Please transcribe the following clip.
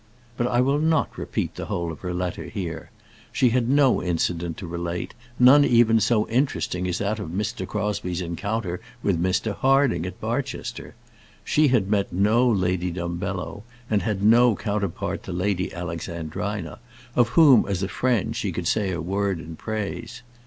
But I will not repeat the whole of her letter here. She had no incident to relate, none even so interesting as that of Mr. Crosbie's encounter with Mr. Harding at Barchester. She had met no Lady Dumbello, and had no counterpart to Lady Alexandrina, of whom, as a friend, she could say a word in praise.